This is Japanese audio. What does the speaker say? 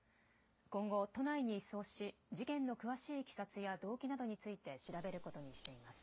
今後、都内に移送し事件の詳しいいきさつや動機などについて調べることにしています。